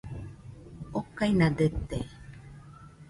okaina dete